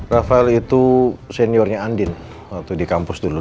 rafael itu seniornya andin waktu di kampus dulu